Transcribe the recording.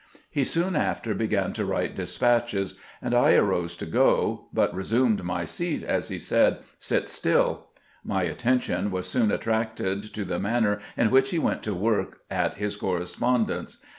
He soon after began to write despatches, and I arose to go, but resumed my seat as he said, " Sit still." My atten MANNEB OF WEITING DESPATCHES 7 tion "was soon attracted to the manner in wMcli he went to work at his correspondence.